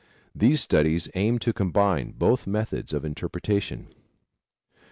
These studies aim to combine both methods of interpretation.